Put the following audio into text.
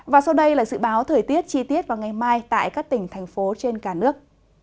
và sau đây là dự báo thời tiết chi tiết vào ngày mai tại các tỉnh thành phố trên cả nước